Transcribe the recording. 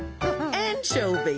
アンチョビね。